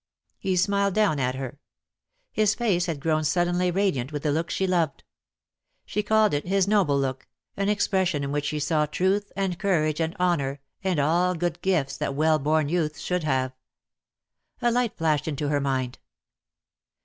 He smiled down at her. His face had grown suddenly radiant \vith the look she loved. She called it his noble look, an expression in which she saw truth and courage and honour, and all good gifts that well born youth should have. A light flashed into her mind.